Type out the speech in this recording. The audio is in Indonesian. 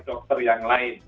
dokter yang lain